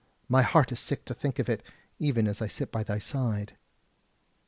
My heart is sick to think of it, even as I sit by thy side."